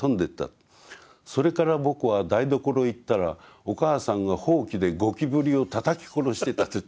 それから僕は台所へ行ったらお母さんがほうきでゴキブリをたたき殺してた」と。